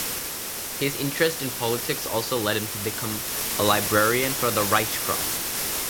His interest in politics also led him to become a librarian for the "Reichsrat".